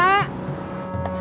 ya sudah sana